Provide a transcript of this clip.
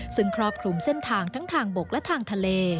ซึ่งครอบคลุมเส้นทางทั้งทางบกและทางทะเล